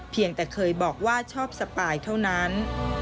เพียงแต่เคยบอกว่าชอบสปายเท่านั้น